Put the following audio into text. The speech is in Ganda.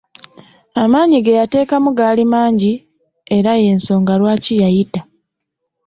Amaanyi ge yateekamu gaali mangi era y'ensonga lwaki yayita.